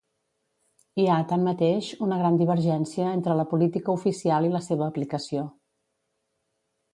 Hi ha, tanmateix, una gran divergència entre la política oficial i la seva aplicació.